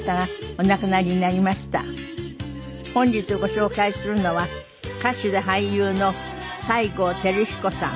本日ご紹介するのは歌手で俳優の西郷輝彦さん。